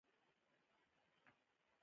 تر اوسه مې د اولاد جامې نه دي جوړې.